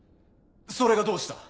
それがどうした？